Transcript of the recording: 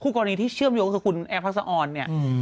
ทุกอย่างนี้ที่เชื่อมโดยก็คือคุณแอฟทักษะอ่อนเนี่ย